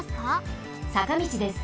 さかみちです。